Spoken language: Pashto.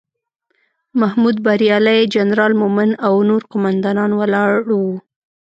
محمود بریالی، جنرال مومن او نور قوماندان ولاړ وو.